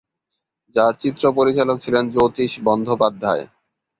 যার চিত্র পরিচালক ছিলেন জ্যোতিষ বন্দ্যোপাধ্যায়।